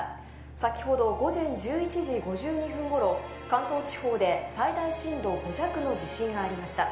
先ほど午前１１時５２分頃関東地方で最大震度５弱の地震がありました